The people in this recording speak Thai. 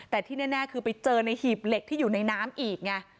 แต่ที่แน่คือไปเจอในหีบเหล็กที่อยู่ในน้ำอีกไง